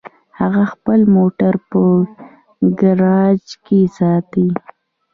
هغه خپل موټر په ګراج کې ساتي